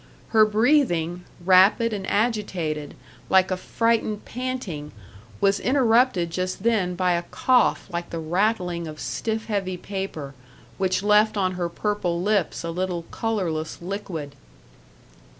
Her breathing, rapid and agitated, like a frightened panting, was interrupted just then by a cough like the rattling of stiff, heavy paper, which left on her purple lips a little colorless liquid.